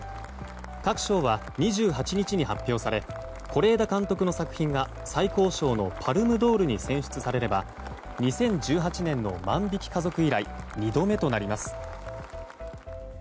各賞は２８日に発表され是枝監督の作品が最高賞のパルム・ドールに選出されれば２０１８年の「万引き家族」以来２度目となります。